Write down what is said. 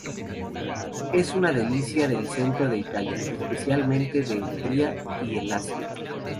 Es una delicia del centro de Italia, especialmente de Umbría y el Lacio.